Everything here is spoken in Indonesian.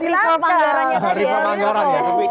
rifa manggaranya tadi ya